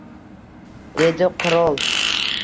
dedi qirol.